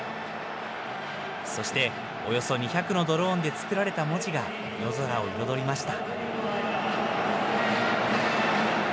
そして、およそ２００のドローンで作られた文字が夜空を彩りました。